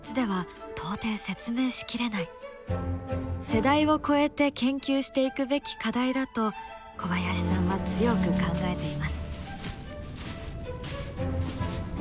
世代を超えて研究していくべき課題だと小林さんは強く考えています。